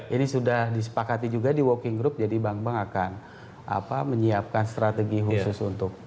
ini sudah disepakati juga di working group jadi bank bank akan menyiapkan strategi khusus untuk